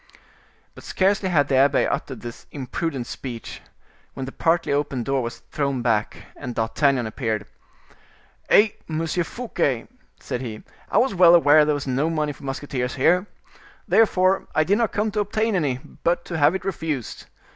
But scarcely had the abbe uttered this imprudent speech, when the partly open door was thrown back, and D'Artagnan appeared. "Eh! Monsieur Fouquet," said he, "I was well aware there was no money for musketeers here. Therefore I did not come to obtain any, but to have it refused.